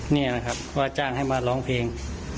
นี่นะครับว่าจ้างให้มาร้องเพลง